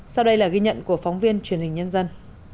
sau đây là ghi nhận của phóng viên truyền hình nhân dân